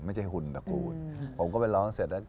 หุ่นตระกูลผมก็ไปร้องเสร็จแล้ว